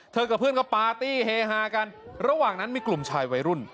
กับเพื่อนก็ปาร์ตี้เฮฮากันระหว่างนั้นมีกลุ่มชายวัยรุ่น